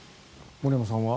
森山さんは？